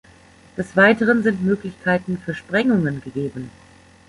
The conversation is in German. Des Weiteren sind Möglichkeiten für Sprengungen gegeben.